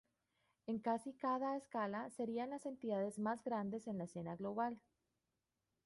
En casi cada escala, serían las entidades más grandes en la escena global.